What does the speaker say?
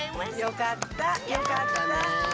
よかったよかった。